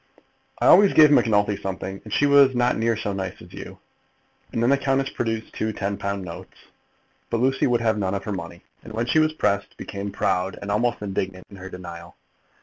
"I always gave Macnulty something, and she was not near so nice as you." And then the countess produced two ten pound notes. But Lucy would have none of her money, and when she was pressed, became proud and almost indignant in her denial.